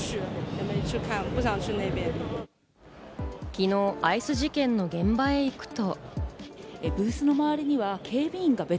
昨日アイス事件の現場へ行くと。